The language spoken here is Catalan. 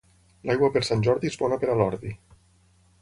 L'aigua per Sant Jordi és bona per a l'ordi.